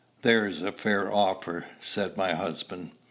"There's a fair offer!" said my husband.